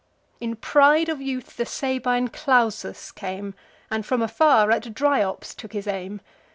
In pride of youth the Sabine Clausus came, And, from afar, at Dryops took his aim.